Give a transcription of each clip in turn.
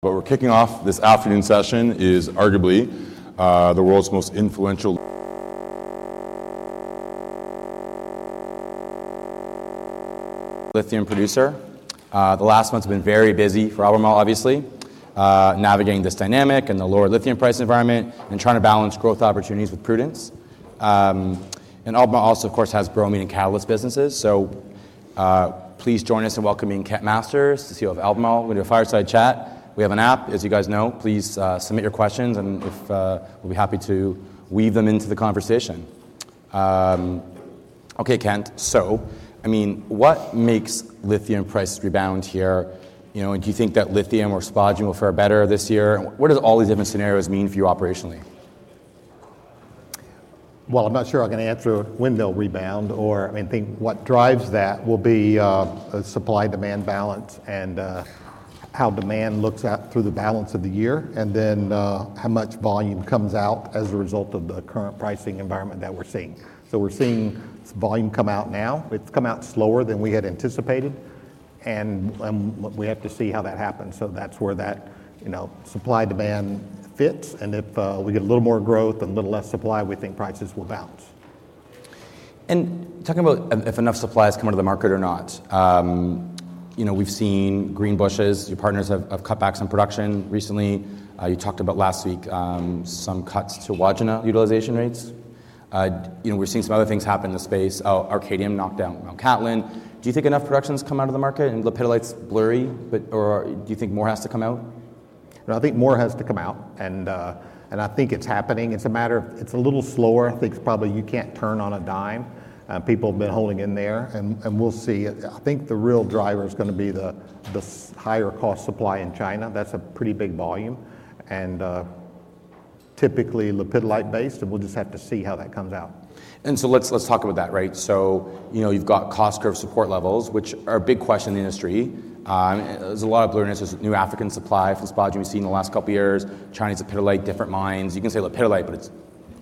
But we're kicking off this afternoon session is arguably the world's most influential lithium producer. The last month's been very busy for Albemarle, obviously, navigating this dynamic and the lower lithium price environment and trying to balance growth opportunities with prudence. Albemarle also, of course, has bromine and catalyst businesses. Please join us in welcoming Kent Masters, the CEO of Albemarle. We'll do a fireside chat. We have an app, as you guys know. Please submit your questions, and we'll be happy to weave them into the conversation. Okay, Kent, so I mean, what makes lithium prices rebound here, you know, and do you think that lithium or spodumene will fare better this year? What do all these different scenarios mean for you operationally? Well, I'm not sure I can answer when they'll rebound or, I mean, think what drives that will be a supply-demand balance and how demand looks out through the balance of the year and then how much volume comes out as a result of the current pricing environment that we're seeing. So we're seeing volume come out now. It's come out slower than we had anticipated, and we have to see how that happens. So that's where that, you know, supply-demand fits. And if we get a little more growth and a little less supply, we think prices will bounce. Talking about if enough supply has come out of the market or not, you know, we've seen Greenbushes, your partners, have, have cutbacks on production recently. You talked about last week, some cuts to Wodgina utilization rates. You know, we're seeing some other things happen in the space. Oh, Arcadium knocked down Mt Cattlin. Do you think enough production has come out of the market and lepidolite's blurry, but or do you think more has to come out? I think more has to come out, and I think it's happening. It's a matter of... It's a little slower. I think probably you can't turn on a dime. People have been holding in there, and we'll see. I think the real driver is gonna be the higher cost supply in China. That's a pretty big volume and, typically lepidolite-based, and we'll just have to see how that comes out. And so let's talk about that, right? So, you know, you've got cost curve support levels, which are a big question in the industry. There's a lot of blurriness with new African supply from spodumene we've seen in the last couple of years, Chinese lepidolite, different mines. You can say lepidolite, but it's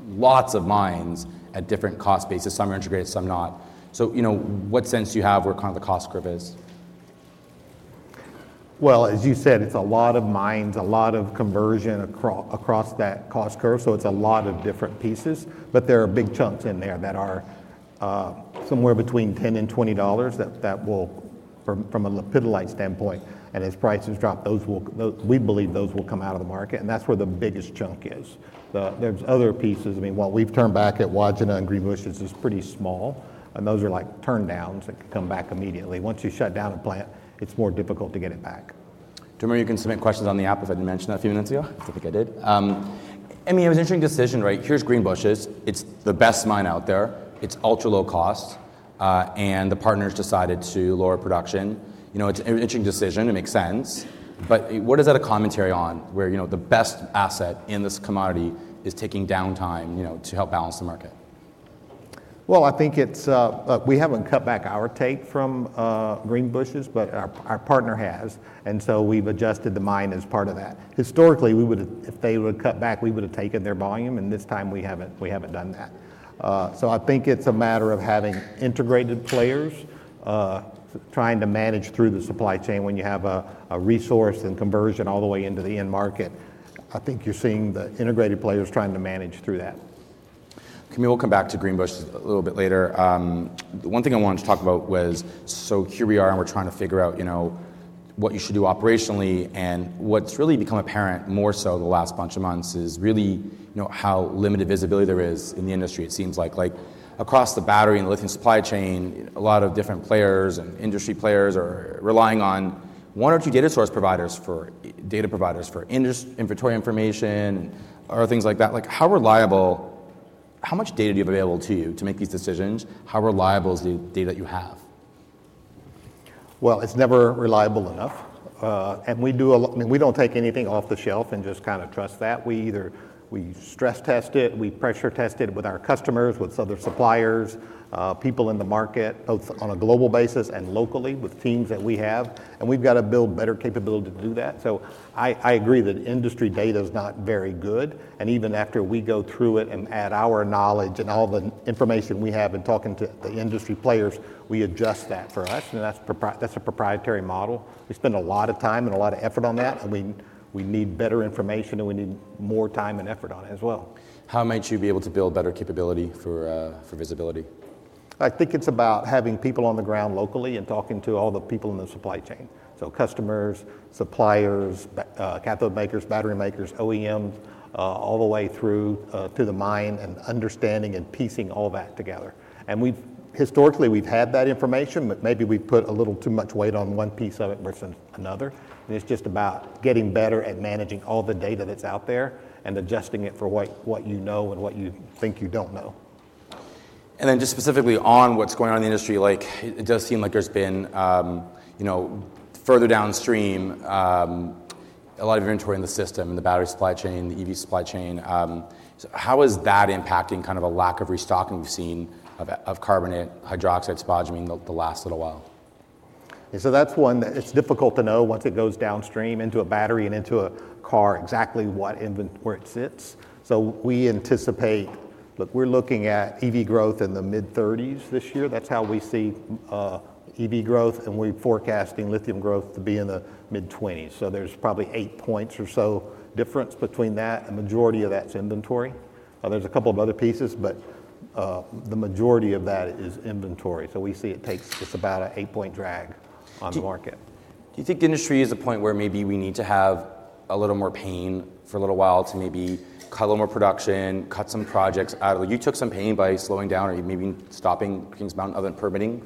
lots of mines at different cost bases. Some are integrated, some not. So, you know, what sense do you have where kind of the cost curve is? Well, as you said, it's a lot of mines, a lot of conversion across that cost curve, so it's a lot of different pieces. But there are big chunks in there that are somewhere between $10 and $20 that will, from a lepidolite standpoint, and as prices drop, those will—we believe those will come out of the market, and that's where the biggest chunk is. There's other pieces. I mean, what we've turned back at Wodgina and Greenbushes is pretty small, and those are like turndowns that can come back immediately. Once you shut down a plant, it's more difficult to get it back. To remember, you can submit questions on the app if I didn't mention that a few minutes ago. I think I did. I mean, it was an interesting decision, right? Here's Greenbushes, it's the best mine out there, it's ultra-low cost, and the partners decided to lower production. You know, it's an interesting decision, it makes sense. But what is that a commentary on where, you know, the best asset in this commodity is taking downtime, you know, to help balance the market? Well, I think it's... We haven't cut back our take from Greenbushes, but our partner has, and so we've adjusted the mine as part of that. Historically, we would've, if they would've cut back, we would have taken their volume, and this time we haven't, we haven't done that. So I think it's a matter of having integrated players trying to manage through the supply chain. When you have a resource and conversion all the way into the end market, I think you're seeing the integrated players trying to manage through that. Okay, we'll come back to Greenbushes a little bit later. One thing I wanted to talk about was, so here we are, and we're trying to figure out, you know, what you should do operationally and what's really become apparent more so in the last bunch of months is really, you know, how limited visibility there is in the industry, it seems like. Like, across the battery and lithium supply chain, a lot of different players and industry players are relying on one or two data source providers for inventory information or things like that. Like, how reliable, how much data do you have available to you to make these decisions? How reliable is the data you have? Well, it's never reliable enough, and we do a lot—we don't take anything off the shelf and just kinda trust that. We either, we stress-test it, we pressure-test it with our customers, with other suppliers, people in the market, both on a global basis and locally with teams that we have, and we've got to build better capability to do that. So I, I agree that industry data is not very good, and even after we go through it and add our knowledge and all the information we have in talking to the industry players, we adjust that for us, and that's a proprietary model. We spend a lot of time and a lot of effort on that. We, we need better information, and we need more time and effort on it as well. How might you be able to build better capability for visibility? I think it's about having people on the ground locally and talking to all the people in the supply chain. So customers, suppliers, cathode makers, battery makers, OEMs, all the way through to the mine and understanding and piecing all that together. And we've historically had that information, but maybe we put a little too much weight on one piece of it versus another. And it's just about getting better at managing all the data that's out there and adjusting it for what you know and what you think you don't know. Then just specifically on what's going on in the industry, like, it does seem like there's been, you know, further downstream, a lot of inventory in the system, the battery supply chain, the EV supply chain. So how is that impacting kind of a lack of restocking we've seen of carbonate, hydroxide, spodumene the last little while? So that's one that it's difficult to know once it goes downstream into a battery and into a car, exactly where it sits. So we anticipate. Look, we're looking at EV growth in the mid-30s this year. That's how we see EV growth, and we're forecasting lithium growth to be in the mid-20s. So there's probably 8 points or so difference between that, the majority of that's inventory. There's a couple of other pieces, but the majority of that is inventory. So we see it takes, it's about an 8-point drag on the market. Do you think the industry is at a point where maybe we need to have a little more pain for a little while to maybe cut a little more production, cut some projects out? You took some pain by slowing down or even maybe stopping Kings Mountain, other than permitting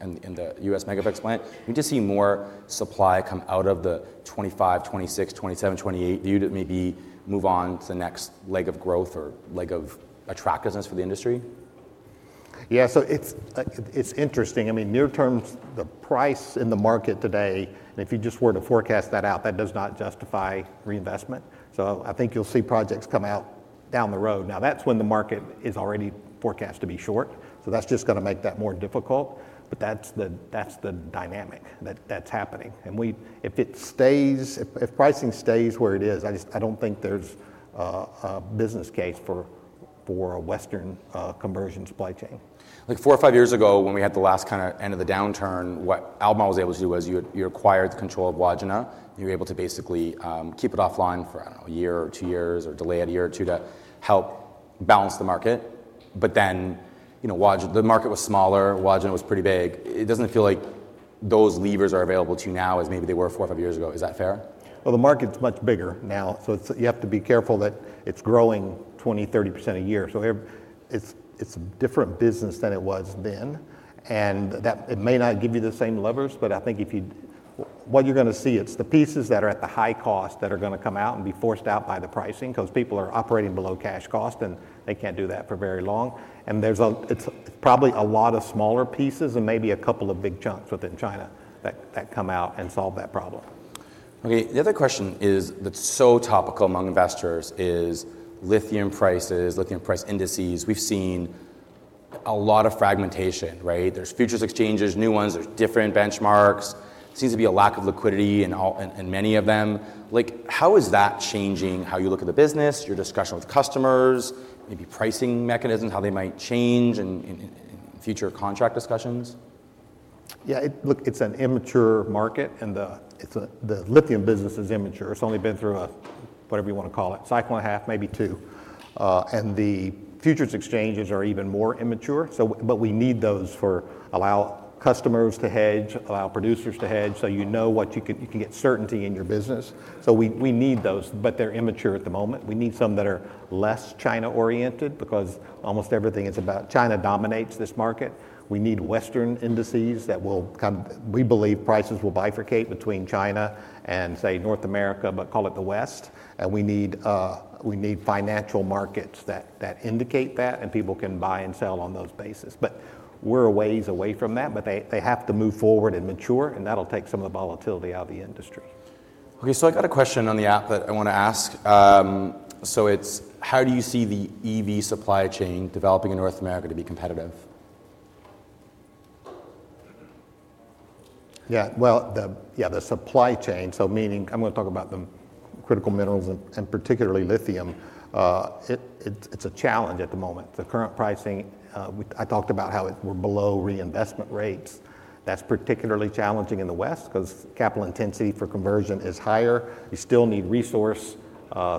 in the U.S. Mega-Flex plant. We just see more supply come out of the 2025, 2026, 2027, 2028 view to maybe move on to the next leg of growth or leg of attractiveness for the industry? Yeah, so it's interesting. I mean, near term, the price in the market today, and if you just were to forecast that out, that does not justify reinvestment. So I think you'll see projects come out down the road. Now, that's when the market is already forecast to be short, so that's just gonna make that more difficult, but that's the dynamic that's happening. If it stays... If pricing stays where it is, I just don't think there's a business case for a Western conversion supply chain. Like, four or five years ago, when we had the last kinda end of the downturn, what Albemarle was able to do was you acquired the control of Wodgina. You were able to basically keep it offline for, I don't know, a year or two years, or delay it a year or two to help balance the market. But then, you know, Wodgina, the market was smaller, Wodgina was pretty big. It doesn't feel like those levers are available to you now as maybe they were four or five years ago. Is that fair? Well, the market's much bigger now, so it's, you have to be careful that it's growing 20%, 30% a year. So every... It's, it's a different business than it was then, and that it may not give you the same levers, but I think if you... What you're gonna see, it's the pieces that are at the high cost that are gonna come out and be forced out by the pricing, 'cause people are operating below cash cost, and they can't do that for very long. And there's a- it's probably a lot of smaller pieces and maybe a couple of big chunks within China that, that come out and solve that problem. Okay, the other question is, that's so topical among investors is lithium prices, lithium price indices. We've seen a lot of fragmentation, right? There's futures exchanges, new ones, there's different benchmarks. There seems to be a lack of liquidity in all, in many of them. Like, how is that changing how you look at the business, your discussion with customers, maybe pricing mechanisms, how they might change in future contract discussions? Yeah, look, it's an immature market, and the lithium business is immature. It's only been through a whatever you wanna call it, cycle and a half, maybe two. And the futures exchanges are even more immature, so, but we need those to allow customers to hedge, allow producers to hedge, so you know what you can, you can get certainty in your business. So we, we need those, but they're immature at the moment. We need some that are less China-oriented because almost everything is about... China dominates this market. We need Western indices that will come... We believe prices will bifurcate between China and, say, North America, but call it the West. And we need, we need financial markets that, that indicate that, and people can buy and sell on those bases. But we're a ways away from that, but they, they have to move forward and mature, and that'll take some of the volatility out of the industry. Okay, so I got a question on the app that I want to ask. So it's: how do you see the EV supply chain developing in North America to be competitive? Yeah, well, the supply chain, so meaning I'm gonna talk about the critical minerals and particularly lithium. It's a challenge at the moment. The current pricing, we, I talked about how we're below reinvestment rates. That's particularly challenging in the West 'cause capital intensity for conversion is higher. You still need resource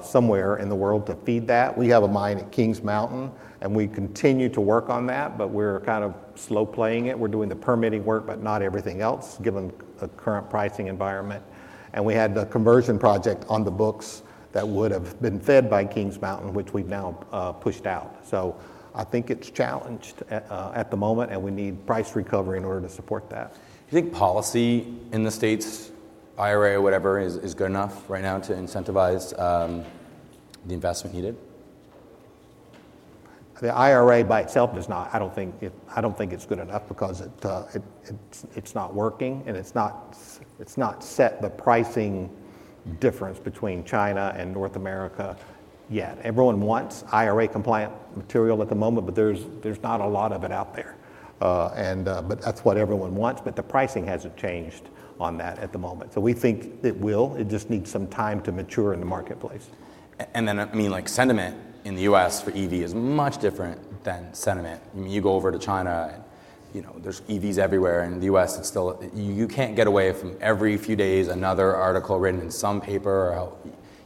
somewhere in the world to feed that. We have a mine at Kings Mountain, and we continue to work on that, but we're kind of slow-playing it. We're doing the permitting work, but not everything else, given the current pricing environment. And we had the conversion project on the books that would have been fed by Kings Mountain, which we've now pushed out. So I think it's challenged at the moment, and we need price recovery in order to support that. Do you think policy in the States, IRA or whatever, is good enough right now to incentivize the investment needed? The IRA by itself does not... I don't think it, I don't think it's good enough because it, it, it's not working, and it's not set the pricing difference between China and North America yet. Everyone wants IRA-compliant material at the moment, but there's not a lot of it out there. But that's what everyone wants, but the pricing hasn't changed on that at the moment. So we think it will. It just needs some time to mature in the marketplace. And then, I mean, like, sentiment in the U.S. for EV is much different than sentiment... You go over to China, you know, there's EVs everywhere. In the U.S., it's still, you can't get away from every few days, another article written in some paper how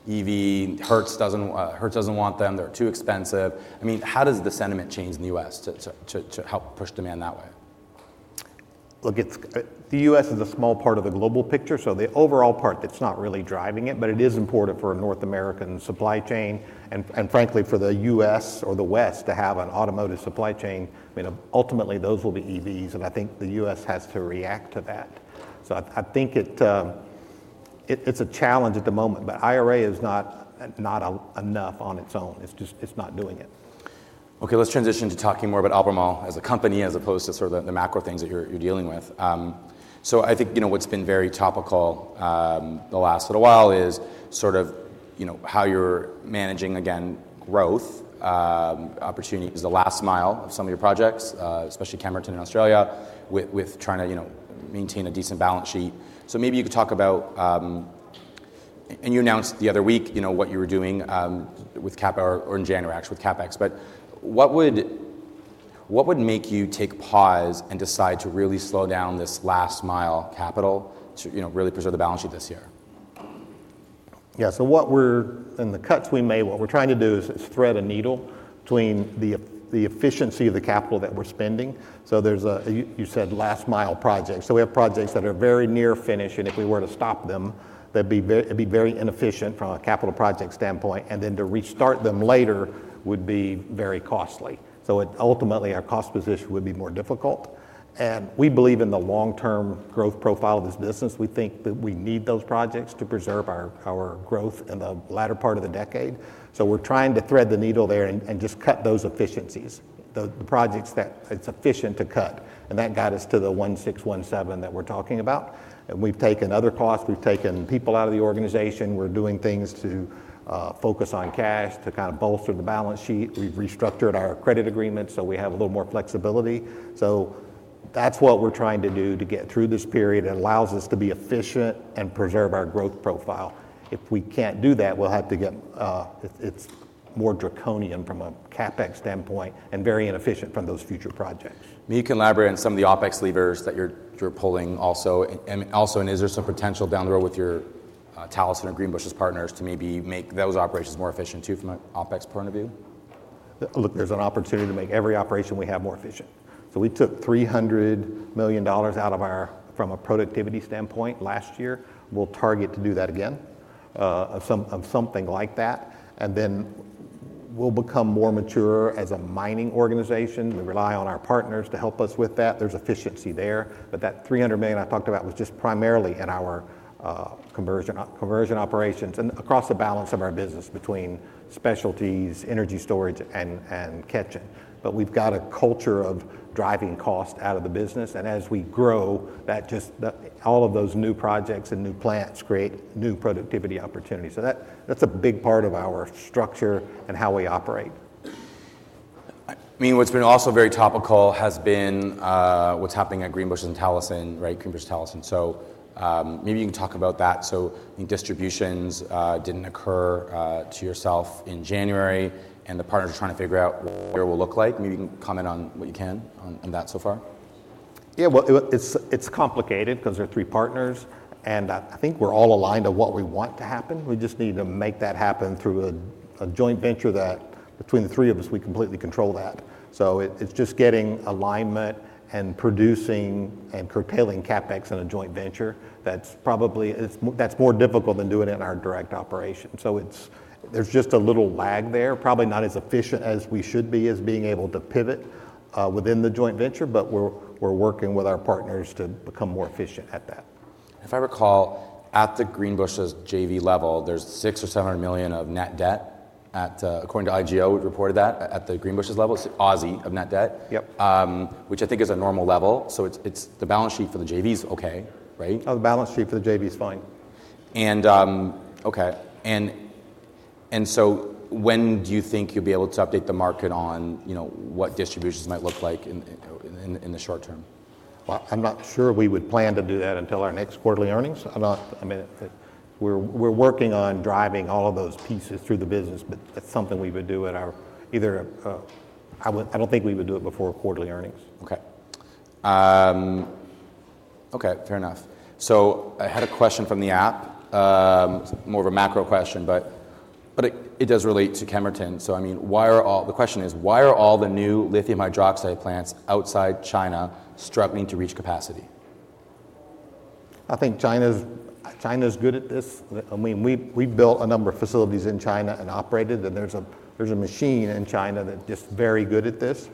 EV hurts, doesn't want them. They're too expensive. I mean, how does the sentiment change in the U.S. to help push demand that way? Look, it's the U.S. is a small part of the global picture, so the overall part, it's not really driving it, but it is important for a North American supply chain and frankly, for the U.S. or the West to have an automotive supply chain. I mean, ultimately, those will be EVs, and I think the U.S. has to react to that. So I think it, it's a challenge at the moment, but IRA is not enough on its own. It's just, it's not doing it. Okay, let's transition to talking more about Albemarle as a company, as opposed to sort of the macro things that you're dealing with. So I think, you know, what's been very topical the last little while is sort of, you know, how you're managing, again, growth opportunities, the last mile of some of your projects, especially Kemerton in Australia, with trying to, you know, maintain a decent balance sheet. So maybe you could talk about and you announced the other week, you know, what you were doing with CapEx or in January, actually, with CapEx. But what would make you take pause and decide to really slow down this last mile capital to, you know, really preserve the balance sheet this year? Yeah. So what we're, and the cuts we made, what we're trying to do is thread a needle between the efficiency of the capital that we're spending. So you said last mile projects. So we have projects that are very near finish, and if we were to stop them, it'd be very inefficient from a capital project standpoint, and then to restart them later would be very costly. So ultimately, our cost position would be more difficult. And we believe in the long-term growth profile of this business. We think that we need those projects to preserve our growth in the latter part of the decade. So we're trying to thread the needle there and just cut those efficiencies, the projects that it's efficient to cut. That got us to the 1617 that we're talking about. We've taken other costs. We've taken people out of the organization. We're doing things to focus on cash to kind of bolster the balance sheet. We've restructured our credit agreement, so we have a little more flexibility. That's what we're trying to do to get through this period. It allows us to be efficient and preserve our growth profile. If we can't do that, we'll have to get... it's more draconian from a CapEx standpoint and very inefficient from those future projects. Can you elaborate on some of the OpEx levers that you're pulling also? And also, is there some potential down the road with your Talison and Greenbushes partners to maybe make those operations more efficient too, from an OpEx point of view? Look, there's an opportunity to make every operation we have more efficient. So we took $300 million out of our from a productivity standpoint last year. We'll target to do that again, of something like that, and then we'll become more mature as a mining organization. We rely on our partners to help us with that. There's efficiency there, but that $300 million I talked about was just primarily in our conversion operations and across the balance of our business between specialties, energy storage, and Ketjen. But we've got a culture of driving cost out of the business, and as we grow, that just all of those new projects and new plants create new productivity opportunities. So that, that's a big part of our structure and how we operate. I mean, what's been also very topical has been what's happening at Greenbushes and Talison, right? Greenbushes and Talison. So, maybe you can talk about that. So the distributions didn't occur to yourself in January, and the partners are trying to figure out what it will look like. Maybe you can comment on what you can on that so far. Yeah, well, it's complicated 'cause there are three partners, and I think we're all aligned on what we want to happen. We just need to make that happen through a joint venture that between the three of us, we completely control that. So it's just getting alignment and producing and curtailing CapEx in a joint venture. That's probably more difficult than doing it in our direct operation. So there's just a little lag there. Probably not as efficient as we should be as being able to pivot within the joint venture, but we're working with our partners to become more efficient at that. If I recall, at the Greenbushes JV level, there's 600 million or 700 million of net debt at, according to IGO, who reported that at the Greenbushes level, AUD of net debt- Yep. which I think is a normal level. So it's, it's the balance sheet for the JV is okay, right? Oh, the balance sheet for the JV is fine. Okay, so when do you think you'll be able to update the market on, you know, what distributions might look like in the short term? Well, I'm not sure we would plan to do that until our next quarterly earnings. I'm not... I mean, it, we're working on driving all of those pieces through the business, but that's something we would do at our, either, I would, I don't think we would do it before quarterly earnings. Okay, fair enough. So I had a question from the app, more of a macro question, but it does relate to Kemerton. So, I mean, why are all... The question is: Why are all the new lithium hydroxide plants outside China struggling to reach capacity? I think China's good at this. I mean, we've built a number of facilities in China and operated, and there's a machine in China that's just very good at this.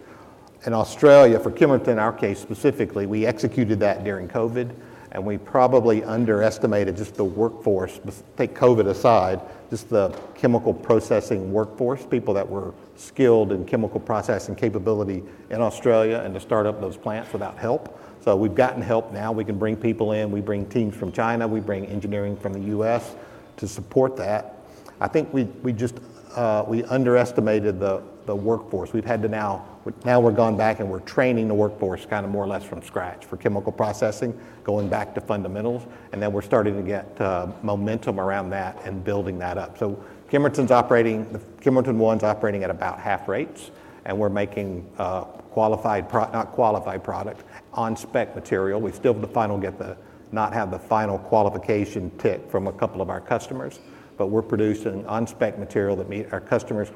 In Australia, for Kemerton, our case specifically, we executed that during COVID, and we probably underestimated just the workforce. Just take COVID aside, just the chemical processing workforce, people that were skilled in chemical processing capability in Australia and to start up those plants without help. So we've gotten help now. We can bring people in. We bring teams from China, we bring engineering from the U.S. to support that. I think we just underestimated the workforce. We've had to now, now we're going back, and we're training the workforce kind of more or less from scratch for chemical processing, going back to fundamentals, and then we're starting to get momentum around that and building that up. So Kemerton's operating, the Kemerton one's operating at about half rates, and we're making not qualified product, on-spec material. We still have to finally get the, not have the final qualification tick from a couple of our customers, but we're producing on-spec material that meet our customers'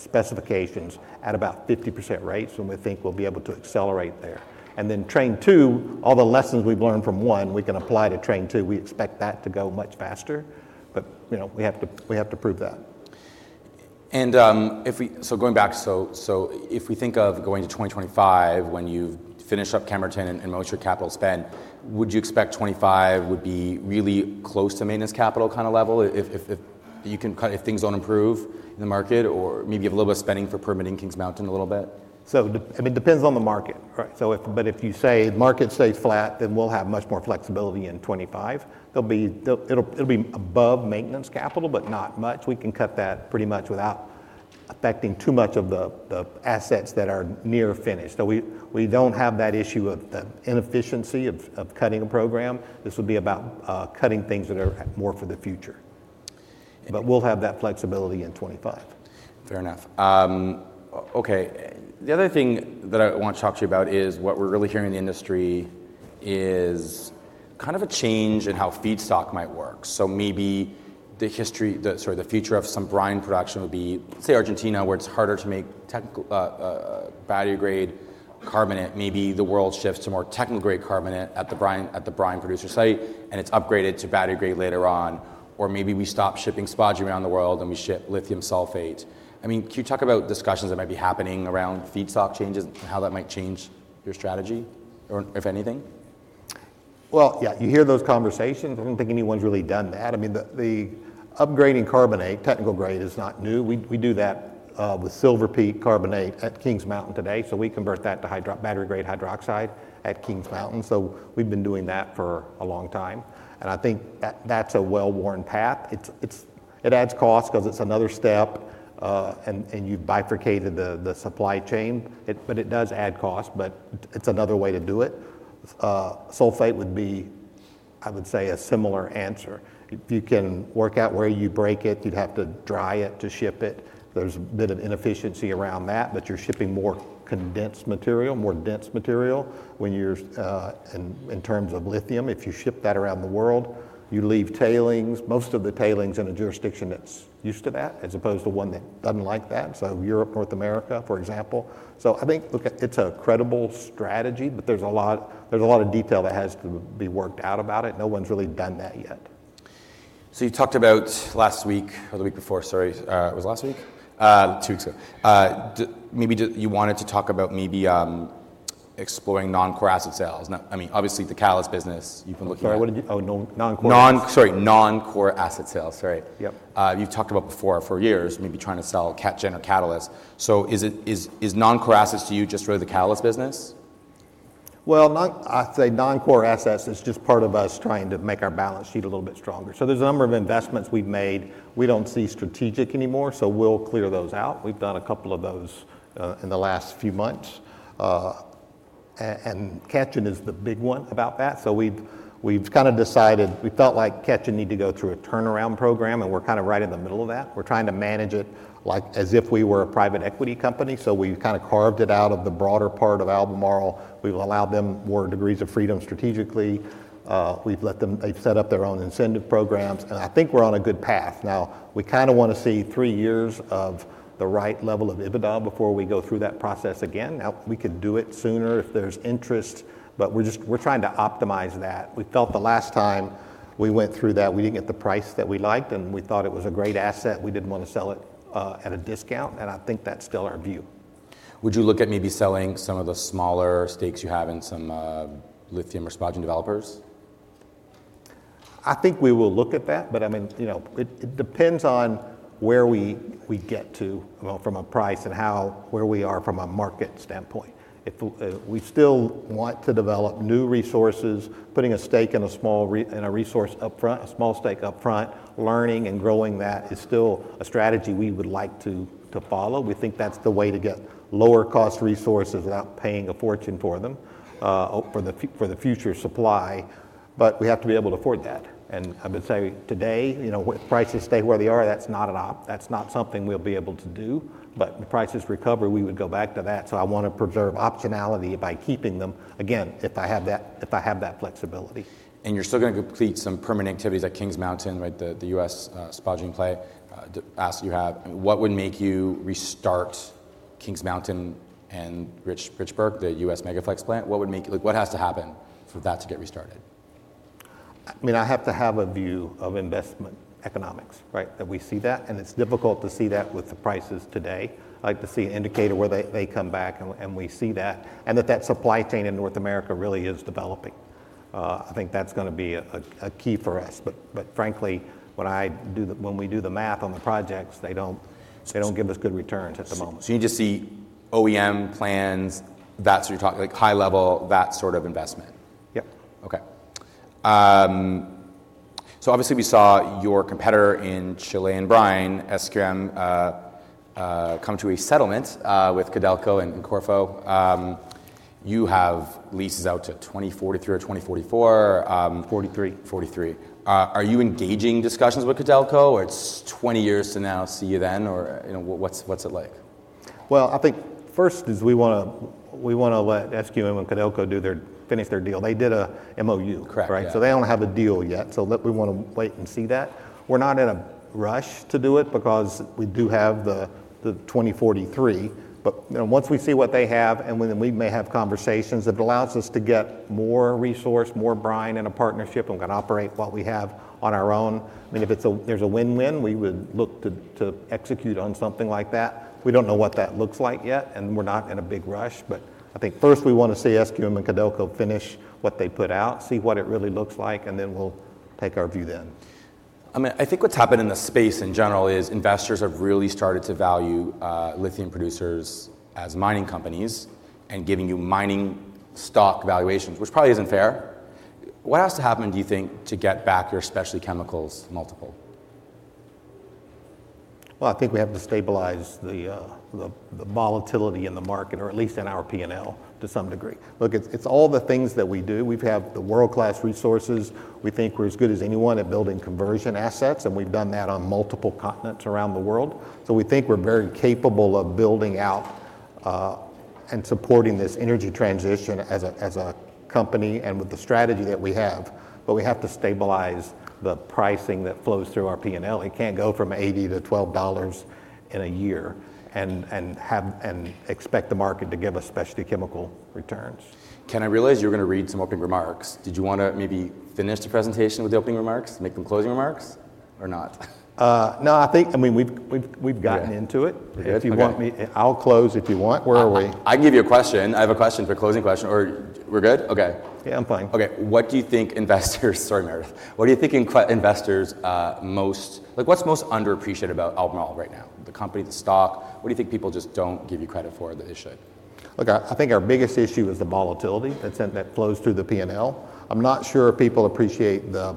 specifications at about 50% rates, and we think we'll be able to accelerate there. And then Train 2, all the lessons we've learned from 1, we can apply to Train 2. We expect that to go much faster, but, you know, we have to, we have to prove that. So, going back, if we think of going to 2025, when you finish up Kemerton and most of your capital spend, would you expect 2025 would be really close to maintenance capital kind of level if you can kind of, if things don't improve in the market or maybe have a little bit of spending for permitting Kings Mountain a little bit? I mean, it depends on the market. Right. But if you say the market stays flat, then we'll have much more flexibility in 2025. It'll be above maintenance capital, but not much. We can cut that pretty much without affecting too much of the assets that are near finished. We don't have that issue of the inefficiency of cutting a program. This would be about cutting things that are more for the future. But we'll have that flexibility in 2025. Fair enough. Okay, the other thing that I want to talk to you about is what we're really hearing in the industry is kind of a change in how feedstock might work. So maybe the future of some brine production would be, say, Argentina, where it's harder to make technical, battery-grade carbonate. Maybe the world shifts to more technical-grade carbonate at the brine producer site, and it's upgraded to battery-grade later on. Or maybe we stop shipping spodumene around the world, and we ship lithium sulfate. I mean, can you talk about discussions that might be happening around feedstock changes and how that might change your strategy, or if anything? Well, yeah, you hear those conversations. I don't think anyone's really done that. I mean, the upgrading carbonate, technical grade is not new. We do that with Silver Peak carbonate at Kings Mountain today, so we convert that to battery-grade hydroxide at Kings Mountain. So we've been doing that for a long time, and I think that's a well-worn path. It adds cost 'cause it's another step, and you've bifurcated the supply chain. But it does add cost, but it's another way to do it. Sulfate would be, I would say, a similar answer. If you can work out where you break it, you'd have to dry it to ship it. There's a bit of inefficiency around that, but you're shipping more condensed material, more dense material when you're... In terms of lithium, if you ship that around the world, you leave tailings. Most of the tailings in a jurisdiction that's used to that, as opposed to one that doesn't like that. So Europe, North America, for example. So I think, look, it's a credible strategy, but there's a lot, there's a lot of detail that has to be worked out about it. No one's really done that yet. So you talked about last week or the week before, sorry, it was last week? Two weeks ago. Maybe just you wanted to talk about maybe exploring non-core asset sales. Now, I mean, obviously, the catalysts business you've been looking at- Sorry, what did you... Oh, non, non-core. No, sorry, non-core asset sales. Sorry. Yep. You've talked about before for years, maybe trying to sell Ketjen or Catalyst. So is it non-core assets to you just really the catalyst business? Well, not, I'd say non-core assets is just part of us trying to make our balance sheet a little bit stronger. So there's a number of investments we've made we don't see strategic anymore, so we'll clear those out. We've done a couple of those in the last few months. And Ketjen is the big one about that. So we've kind of decided. We felt like Ketjen need to go through a turnaround program, and we're kind of right in the middle of that. We're trying to manage it like as if we were a private equity company. So we've kind of carved it out of the broader part of Albemarle. We've allowed them more degrees of freedom strategically. We've let them, they've set up their own incentive programs, and I think we're on a good path. Now, we kind of want to see three years of the right level of EBITDA before we go through that process again. Now, we could do it sooner if there's interest, but we're just trying to optimize that. We felt the last time we went through that, we didn't get the price that we liked, and we thought it was a great asset. We didn't want to sell it at a discount, and I think that's still our view. Would you look at maybe selling some of the smaller stakes you have in some, lithium or spodumene developers? I think we will look at that, but, I mean, you know, it depends on where we get to, well, from a price and how, where we are from a market standpoint. If we still want to develop new resources, putting a stake in a small resource upfront, a small stake upfront, learning and growing that is still a strategy we would like to follow. We think that's the way to get lower cost resources without paying a fortune for them, for the future supply. But we have to be able to afford that, and I would say today, you know, with prices stay where they are, that's not something we'll be able to do. But if the prices recover, we would go back to that. I want to preserve optionality by keeping them, again, if I have that flexibility. You're still gonna complete some permanent activities at Kings Mountain, right? The U.S. spodumene play, asset you have. What would make you restart Kings Mountain and Richburg, the U.S. Mega-Flex plant? What would make... Like, what has to happen for that to get restarted? I mean, I have to have a view of investment economics, right? That we see that, and it's difficult to see that with the prices today. I'd like to see an indicator where they come back and we see that, and that supply chain in North America really is developing. I think that's gonna be a key for us, but frankly, when we do the math on the projects, they don't give us good returns at the moment. So you just see OEM plans, that's what you're talking, like high level, that sort of investment? Yep. Okay. So obviously, we saw your competitor in Chile and Brine, SQM, come to a settlement with Codelco and Corfo. You have leases out to 2043 or 2044, 2043? 2043. Are you engaging discussions with Codelco, or it's 20 years to now, see you then, or, you know, what's it like? Well, I think first is we wanna, we wanna let SQM and Codelco do their, finish their deal. They did a MOU. Correct. Right? So they don't have a deal yet, so we wanna wait and see that. We're not in a rush to do it because we do have the 2043, but you know, once we see what they have, and when then we may have conversations. It allows us to get more resource, more brine and a partnership and can operate what we have on our own. I mean, if it's a win-win, we would look to execute on something like that. We don't know what that looks like yet, and we're not in a big rush, but I think first we want to see SQM and Codelco finish what they put out, see what it really looks like, and then we'll take our view then. I mean, I think what's happened in the space in general is investors have really started to value lithium producers as mining companies and giving you mining stock valuations, which probably isn't fair. What has to happen, do you think, to get back your specialty chemicals multiple? Well, I think we have to stabilize the volatility in the market, or at least in our P&L to some degree. Look, it's all the things that we do. We have the world-class resources. We think we're as good as anyone at building conversion assets, and we've done that on multiple continents around the world. So we think we're very capable of building out and supporting this energy transition as a company and with the strategy that we have. But we have to stabilize the pricing that flows through our P&L. It can't go from $80 to $12 in a year and expect the market to give us specialty chemical returns. Ken, I realized you were gonna read some opening remarks. Did you wanna maybe finish the presentation with the opening remarks, make them closing remarks or not? No, I think, I mean, we've gotten into it. Yeah. If you want me, I'll close if you want. Where are we? I can give you a question. I have a question, for closing question, or we're good? Okay. Yeah, I'm fine. Okay. What do you think investors... Sorry, Meredith. What do you think investors most... Like, what's most underappreciated about Albemarle right now? The company, the stock, what do you think people just don't give you credit for that they should? Look, I think our biggest issue is the volatility that's in, that flows through the P&L. I'm not sure people appreciate the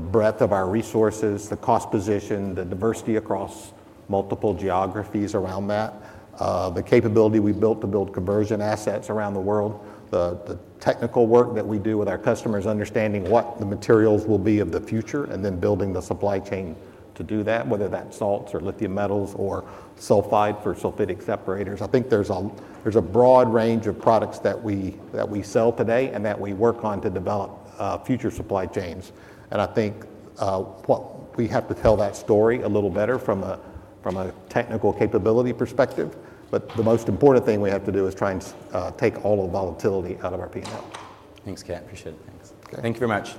breadth of our resources, the cost position, the diversity across multiple geographies around that. The capability we built to build conversion assets around the world, the technical work that we do with our customers, understanding what the materials will be of the future, and then building the supply chain to do that, whether that's salts or lithium metals or sulfide for sulfidic separators. I think there's a broad range of products that we sell today and that we work on to develop future supply chains. I think what we have to tell that story a little better from a technical capability perspective, but the most important thing we have to do is try and take all the volatility out of our P&L. Thanks, Kent. Appreciate it. Thanks. Okay. Thank you very much.